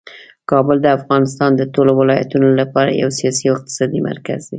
کابل د افغانستان د ټولو ولایتونو لپاره یو سیاسي او اقتصادي مرکز دی.